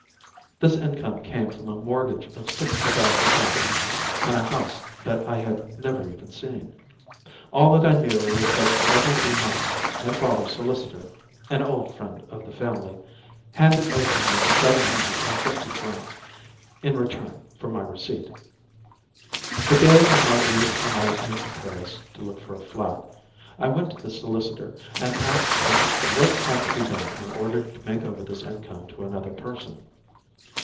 This income came from a mortgage of sixty thousand francs on a house that I had never even seen. All that I knew was that every three months my father's solicitor, an old friend of the family, handed over to me seven hundred and fifty francs in return for my receipt. The day when Marguerite and I came to Paris to look for a flat, I went to this solicitor and asked him what had to be done in order to make over this income to another person.